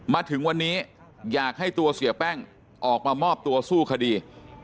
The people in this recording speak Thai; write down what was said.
มาถึงวันนี้อยากให้ตัวเสียแป้งออกมามอบตัวสู้คดี